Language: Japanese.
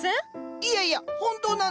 いやいや本当なんです。